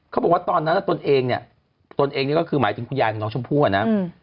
เขาบอกว่าตอนนั้นตนเองเนี่ยตนเองนี่ก็คือหมายถึงคุณยายของน้องชมพู่อะนะ